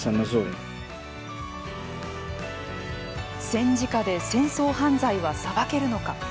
戦時下で戦争犯罪は裁けるのか。